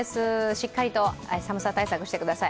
しっかりと寒さ対策、してください